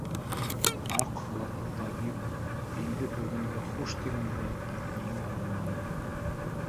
— Аҡ халатлы табип, инде бөгөнгә хуш тигәндәй, миңә ымланы.